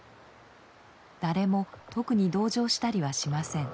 誰も特に同情したりはしません。